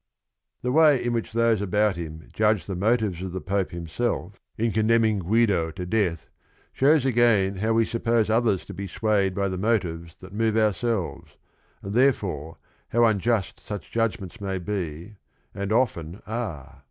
The way in which those about him judge the motives of the Pope himself in condemning 15 226 THE RING AND THE BOOK Guido to death shows again how we suppose others to be swayed by the motives that move ourselves, and therefore how unjust such judg ments may be, and often are.